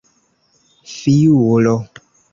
fiulo